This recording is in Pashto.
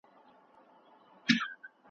په اجتماع کي د ژوند کولو کلتور زده کړئ.